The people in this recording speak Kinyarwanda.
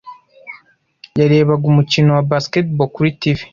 yarebaga umukino wa basketball kuri TV.